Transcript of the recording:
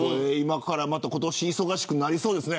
今年、忙しくなりそうですね。